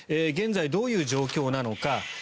現在、どういう状況なのか。